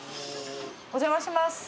お邪魔します。